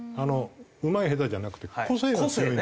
うまい下手じゃなくて個性が強いんですよ。